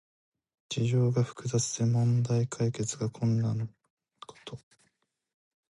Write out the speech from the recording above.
事情が複雑で問題解決が困難なこと。